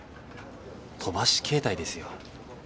飛ばし携帯ですよ。